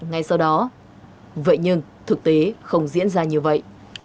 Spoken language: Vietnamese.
ngay sau đó vậy nhưng thực tế không diễn ra như vậy